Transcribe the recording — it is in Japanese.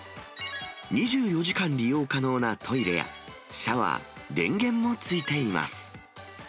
２４時間利用可能なトイレや、シャワー、電源も付いています。